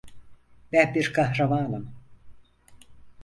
Ben bir kahramanım.